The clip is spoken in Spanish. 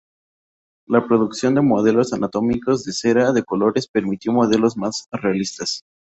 La producción de modelos anatómicos de cera de colores permitió modelos más realistas.